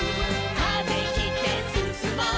「風切ってすすもう」